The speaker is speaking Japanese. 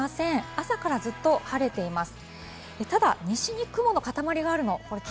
朝からずっと晴れています。